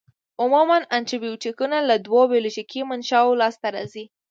عموماً انټي بیوټیکونه له دوو بیولوژیکي منشأوو لاس ته راځي.